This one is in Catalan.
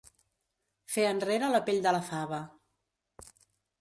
Fer enrere la pell de la fava.